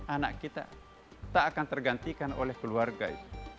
anak kita tak akan tergantikan oleh keluarga itu